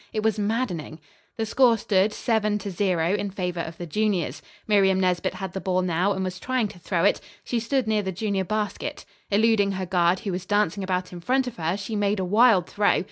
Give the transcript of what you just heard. It was maddening. The score stood 7 to 0 in favor of the juniors. Miriam Nesbit had the ball now, and was trying to throw it. She stood near the junior basket. Eluding her guard, who was dancing about in front of her, she made a wild throw.